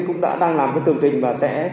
cũng đã đang làm cái tường trình và sẽ